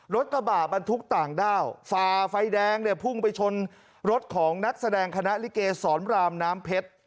รถบรรทุกต่างด้าวฝ่าไฟแดงเนี่ยพุ่งไปชนรถของนักแสดงคณะลิเกสรรามน้ำเพชร